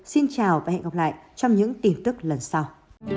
xin chào và hẹn gặp lại trong những tin tức lần sau